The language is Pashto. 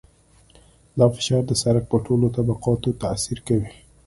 دا فشار د سرک په ټولو طبقاتو تاثیر کوي